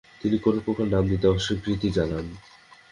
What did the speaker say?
তিনি কোন প্রকার নাম দিতে অস্বীকৃতি জানান।